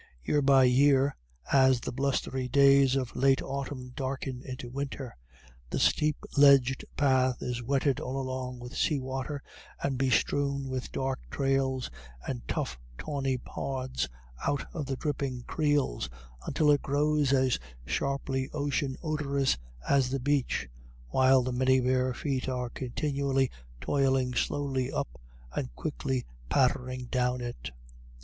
Year by year, as the blustery days of late autumn darken into winter, the steep ledged path is wetted all along with sea water, and bestrewn with dark trails and tough tawny pods out of the dripping creels, until it grows as sharply ocean odorous as the beach, while the many bare feet are continually toiling slowly up and quickly pattering down it.